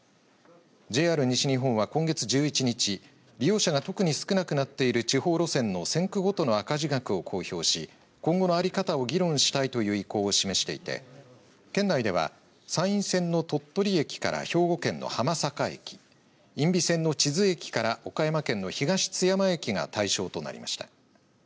ＪＲ西日本は、今月１１日利用者が特に少なくなっている地方路線の線区ごとの赤字額を公表し今後のあり方を議論したいという意向を示していて県内では山陰線の鳥取駅から兵庫県の浜坂駅因美線の智頭駅から岡山県の東津山駅が対象となりました。